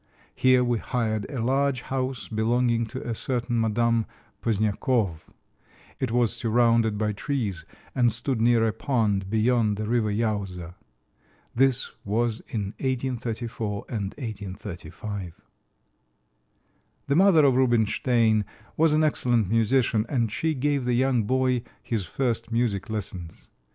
Here we hired a large house belonging to a certain Madame Pozniakòv; it was surrounded by trees and stood near a pond beyond the river Iowza. This was in 1834 and 1835." The mother of Rubinstein was an excellent musician, and she gave the young boy his first music lessons.